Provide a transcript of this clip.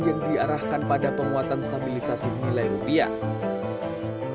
yang diarahkan pada penguatan stabilisasi nilai rupiah